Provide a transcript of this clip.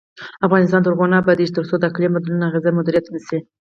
افغانستان تر هغو نه ابادیږي، ترڅو د اقلیم بدلون اغیزې مدیریت نشي.